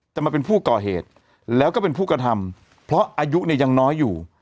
จะมาเป็นผู้ก่อเหตุแล้วก็เป็นผู้กระทำเพราะอายุเนี่ยยังน้อยอยู่